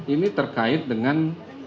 ini terkait dengan